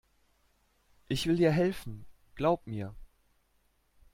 Ich will dir helfen, glaub mir.